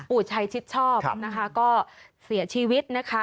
ชัยชิดชอบนะคะก็เสียชีวิตนะคะ